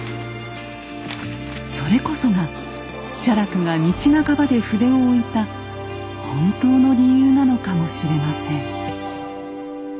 それこそが写楽が道半ばで筆をおいた本当の理由なのかもしれません。